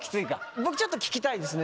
僕ちょっと聴きたいですね。